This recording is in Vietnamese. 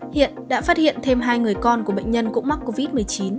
hiện đã phát hiện thêm hai người con của bệnh nhân cũng mắc covid một mươi chín